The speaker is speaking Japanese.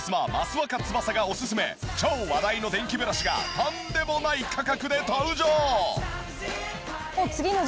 超話題の電気ブラシがとんでもない価格で登場！